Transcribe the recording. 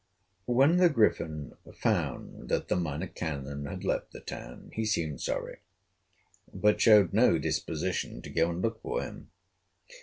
When the Griffin found that the Minor Canon had left the town he seemed sorry, but showed no disposition to go and look for him.